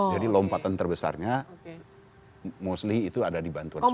jadi lompatan terbesarnya mostly itu ada di bantuan sosial